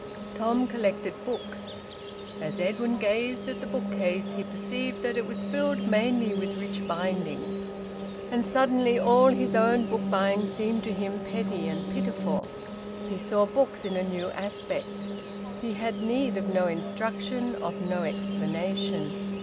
Tom collected books. As Edwin gazed at the bookcase he perceived that it was filled mainly with rich bindings. And suddenly all his own book buying seemed to him petty and pitiful. He saw books in a new aspect. He had need of no instruction, of no explanation.